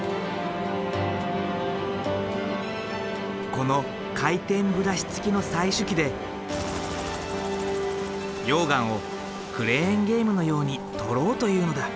この回転ブラシつきの採取機で溶岩をクレーンゲームのように採ろうというのだ。